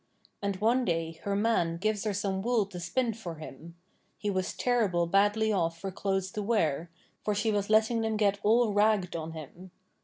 And one day her man gives her some wool to spin for him; he was terrible badly off for clothes to wear, for she was letting them get all ragged on him.